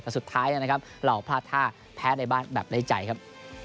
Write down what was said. แต่สุดท้ายนะครับเราพลาดท่าแพ้ในบ้านแบบได้ใจครับ